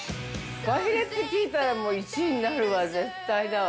◆フカヒレって聞いたらもう１位になるわ、絶対だわ。